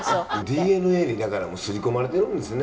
ＤＮＡにだから刷り込まれてるんですね。